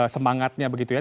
semangatnya begitu ya